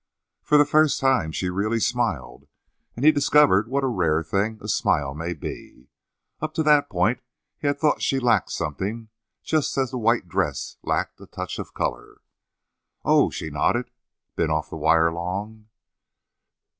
For the first time she really smiled, and he discovered what a rare thing a smile may be. Up to that point he had thought she lacked something, just as the white dress lacked a touch of color. "Oh," she nodded. "Been off the wire long?"